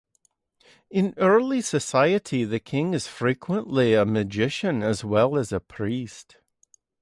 In early society the king is frequently a magician as well as a priest.